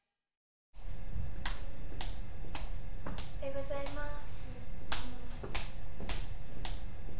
おはようございます。